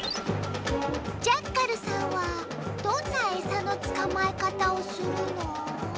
ジャッカルさんはどんなえさのつかまえかたをするの？